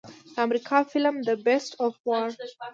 د امريکني فلم The Beast of War